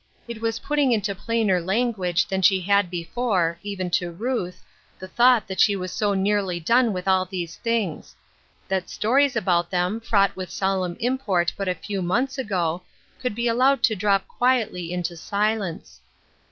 It was putting into plainer language than she had before, even to Ruth, the thought that she was so nearly done with all these things ; that stories about them, fraught with solemn import but a few months ago, could be allowed to drop quietly into silence.